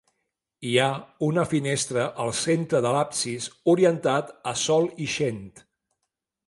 Hi ha una finestra al centre de l'absis, orientat a sol ixent.